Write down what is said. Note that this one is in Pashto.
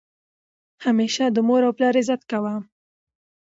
همیشه د مور او پلار عزت کوه!